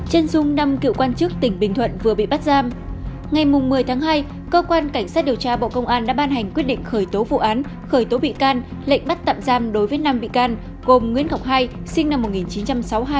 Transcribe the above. hãy đăng ký kênh để ủng hộ kênh của chúng mình nhé